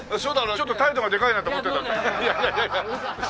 ちょっと態度がでかいなと思ってたんだよ。